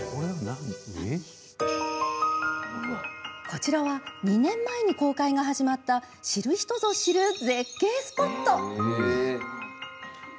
こちらは２年前に公開が始まった知る人ぞ知る絶景スポット。